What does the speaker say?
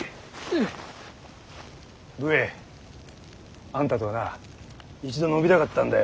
武衛あんたとはな一度飲みたかったんだよ。